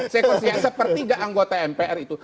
sepertiga anggota mpr itu